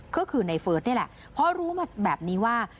ก็คือในเฟิร์สนี่แหละเพราะรู้มาแบบนี้ว่า